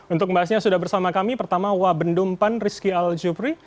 untuk bahasnya sudah bersama kami pertama wabendumpan rizky aljubri